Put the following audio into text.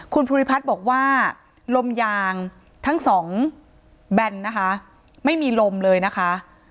คุณภูริพัฒน์บอกว่าลมยางทั้งสองแบนนะคะไม่มีลมเลยนะคะ